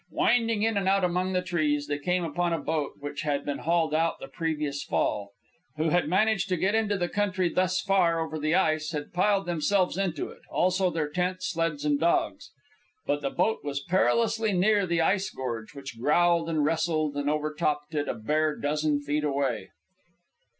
Winding in and out among the trees, they came upon a boat which had been hauled out the previous fall. And three chechaquos, who had managed to get into the country thus far over the ice, had piled themselves into it, also their tent, sleds, and dogs. But the boat was perilously near the ice gorge, which growled and wrestled and over topped it a bare dozen feet away.